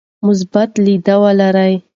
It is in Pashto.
مثبت لید ولرئ.